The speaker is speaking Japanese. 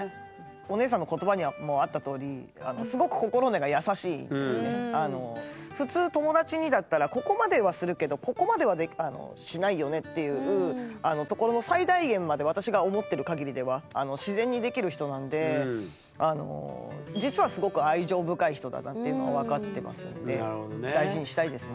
お姉さんの言葉にもあったとおり普通友達にだったらここまではするけどここまではしないよねっていうところの最大限まで私が思ってるかぎりでは自然にできる人なのでっていうのが分かってますので大事にしたいですね。